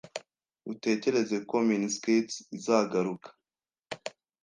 Utekereza ko miniskirts izagaruka?